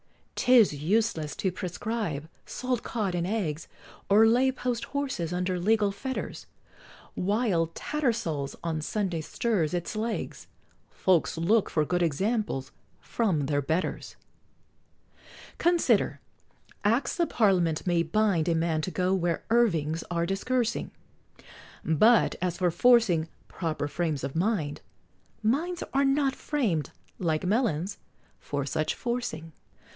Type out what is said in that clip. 'Tis useless to prescribe salt cod and eggs, Or lay post horses under legal fetters, While Tattersall's on Sunday stirs its Legs, Folks look for good examples from their Betters! Consider, Acts of Parliament may bind A man to go where Irvings are discoursing But as for forcing "proper frames of mind," Minds are not framed, like melons, for such forcing!